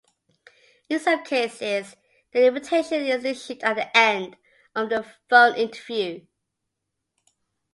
In some cases, the invitation is issued at the end of the phone interview.